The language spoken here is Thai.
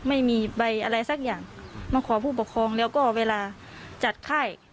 ไม่มีใบอะไรสักอย่างมาขอผู้ปกครองแล้วก็เวลาจัดค่าย